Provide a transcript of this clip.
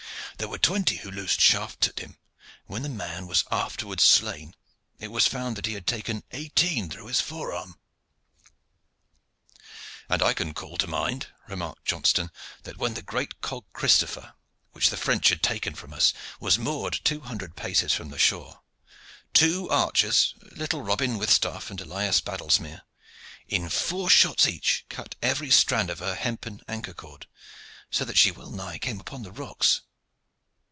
There were twenty who loosed shafts at him, and when the man was afterwards slain it was found that he had taken eighteen through his forearm." "And I can call to mind," remarked Johnston, "that when the great cog 'Christopher,' which the French had taken from us, was moored two hundred paces from the shore, two archers, little Robin Withstaff and Elias Baddlesmere, in four shots each cut every strand of her hempen anchor cord, so that she well nigh came upon the rocks."